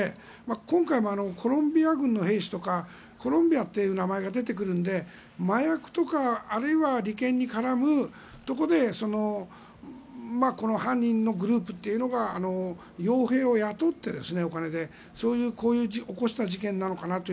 今回もコロンビア軍の兵士とかコロンビアという名前が出てくるので、麻薬とかあるいは利権に絡むところでこの犯人のグループというのがお金で傭兵を雇って起こした事件なのかなと。